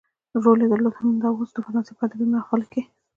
رول يې درلود همدا اوس د فرانسې په ادبي محافلو کې.